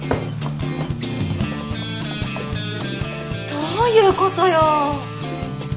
どういうことよ？